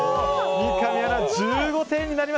三上アナ、１５点。